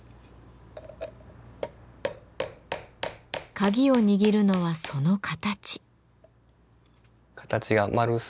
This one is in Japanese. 鍵を握るのはその形。